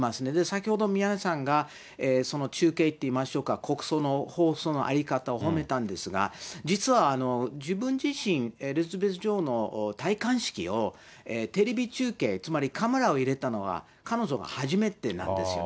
先ほど宮根さんが、中継っていいましょうか、国葬の放送の在り方を褒めたんですが、実は自分自身、エリザベス女王の戴冠式をテレビ中継、つまりカメラを入れたのは、彼女が初めてなんですよ。